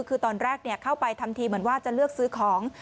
คือตอนแรกเข้าไปทำทีเหมือนว่าจะเลือกซื้อของ